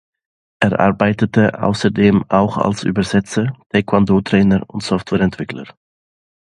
Er arbeitete außerdem auch als Übersetzer, Taekwondo-Trainer und Software-Entwickler.